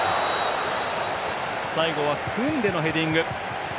最後はクンデのヘディング。